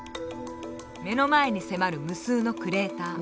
目の前に迫る無数のクレーター。